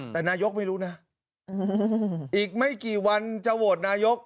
แต่นายกไม่รู้นะอีกไม่กี่วันจะโหวตนายก